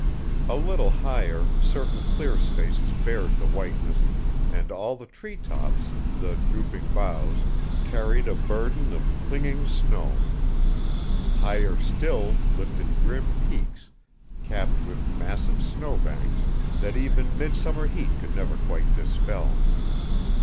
A little higher certain clear spaces bared the whiteness, and all the tree tops, the drooping boughs, carried a burden of clinging snow. Higher still lifted grim peaks capped with massive snow banks that even midsummer heat could never quite dispel.